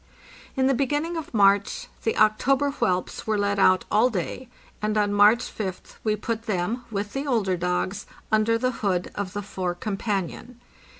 In the beginning of March the October whelps were let out all day, and on March 5th we put them, with the older dogs, under the hood of the fore ccompanion.